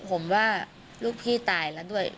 ผมว่าลูกพี่ตายแล้วด้วย